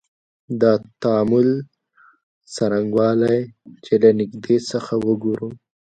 د تعامل څرنګوالی یې له نیږدې څخه وګورو.